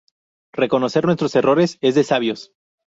Reconocer nuestros errores es de sabios